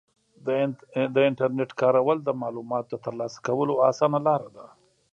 د انټرنیټ کارول د معلوماتو د ترلاسه کولو اسانه لاره ده.